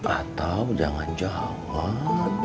atau jangan jawab